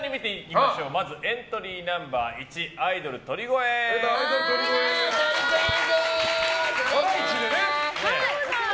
まずエントリーナンバー１アイドル鳥越。笑